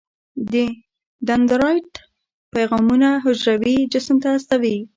دندرایت پیغامونه حجروي جسم ته استوي.